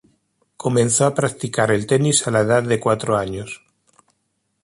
Comenzó a practicar el tenis a la edad de cuatro años.